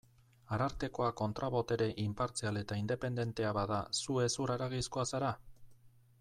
Arartekoa kontra-botere inpartzial eta independentea bada, zu hezur-haragizkoa zara?